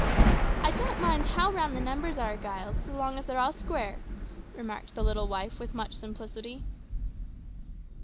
"I don't mind how round the numbers are, Giles, so long as they're all square," remarked the little wife with much simplicity.